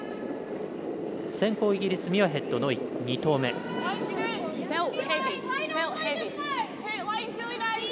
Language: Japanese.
先攻、イギリス、ミュアヘッドの２投目。